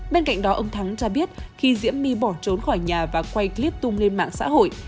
bên cạnh đó ông thắng cho biết khi diễm my bỏ trốn khỏi nhà và quay clip tung lên mạng xã hội